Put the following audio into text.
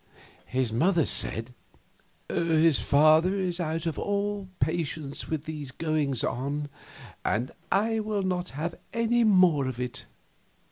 His mother said: "His father is out of all patience with these goings on, and will not have any more of it.